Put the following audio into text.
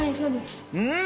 うん！